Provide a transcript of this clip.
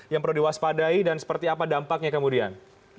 yang perlu diwaspadai dan seperti apa dampaknya kemudian